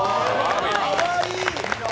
かわいい！